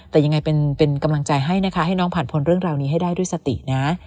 แต่ยังไงเป็นกำลังใจให้นะคะให้น้องผ่านพ้นเรื่องราวนี้ให้ได้ด้วยสตินะ